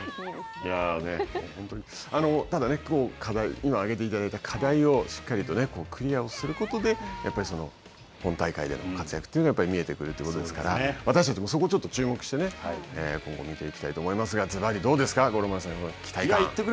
ただ、今挙げていただいた課題をしっかりとクリアをすることで、やっぱり本大会での活躍というのが見えてくるわけですから私たちもそこをちょっと注目してね、今後見ていきたいと思いますが、ずばりどうですか、五郎丸さん期待感。